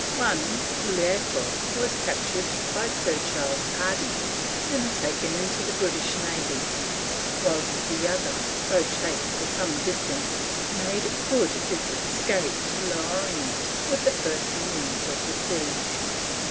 One L'Echo, was captured by Sir Charles Hardy, and was taken into the British Navy; whilst the other, though chased for some distance, made good its escape to L'Orient with the first news of the siege.